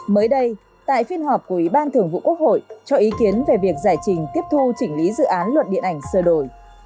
mới đây tại phiên họp của ủy ban thường vụ quốc hội cho ý kiến về việc giải trình tiếp thu chỉnh lý dự án luật điện ảnh sơ đổi